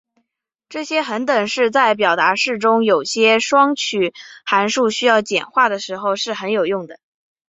这些恒等式在表达式中有些双曲函数需要简化的时候是很有用的。